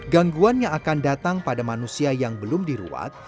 gangguan yang akan datang pada manusia yang belum diruat